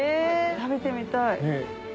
食べてみたい。